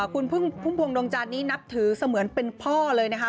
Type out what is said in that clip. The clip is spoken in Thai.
คุณพุ่มพวงดวงจันทร์นี้นับถือเสมือนเป็นพ่อเลยนะคะ